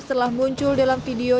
setelah muncul dalam video